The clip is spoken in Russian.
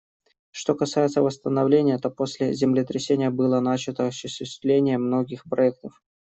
Что касается восстановления, то после землетрясения было начато осуществление многих проектов.